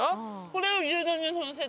これを。